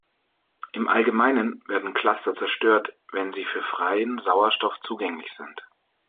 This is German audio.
Im Allgemeinen werden Cluster zerstört, wenn sie für freien Sauerstoff zugänglich sind.